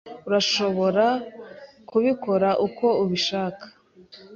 Urashobora kubikora uko ubishaka.